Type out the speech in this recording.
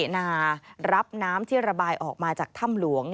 นารับน้ำที่ระบายออกมาจากถ้ำหลวง